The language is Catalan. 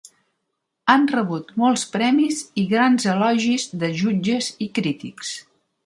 Han rebut molts premis, i grans elogis de jutges i crítics.